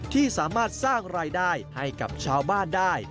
ที่สามารถสร้างรายได้ให้กับชาวบ้านได้